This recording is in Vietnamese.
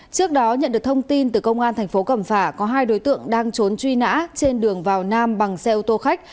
trước đó nhận được thông tin từ công an thành phố cẩm phả có hai đối tượng đang trốn truy nã trên đường vào nam bằng xe ô tô khách